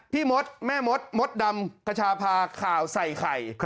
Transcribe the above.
พี่ม็อตแม่ม็อตม็อตดำขชาพาข่าวใส่ไข่